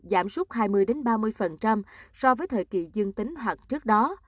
cảm xúc hai mươi ba mươi so với thời kỳ dương tính hoặc trước đó